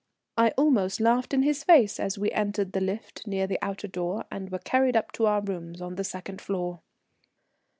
I almost laughed in his face as we entered the lift near the outer door, and were carried up to our rooms upon the second floor.